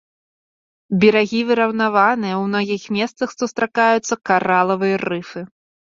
Берагі выраўнаваныя, у многіх месцах сустракаюцца каралавыя рыфы.